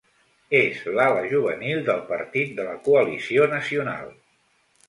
És l'ala juvenil del Partit de la Coalició Nacional.